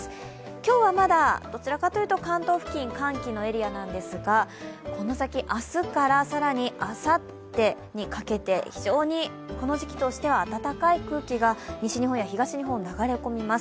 今日はまだ関東付近、寒気のエリアなんですが、この先、明日から更にあさってにかけて非常にこの時期としては暖かい空気が西日本や東日本に流れ込みます。